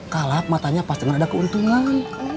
kalap matanya pas denger ada keuntungan